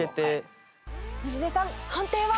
西出さん判定は？